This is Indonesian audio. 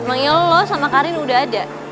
emang ilu lo sama karin udah ada